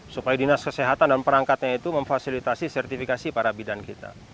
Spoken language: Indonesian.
supaya dinas kesehatan dan perangkatnya itu memfasilitasi sertifikasi para bidan kita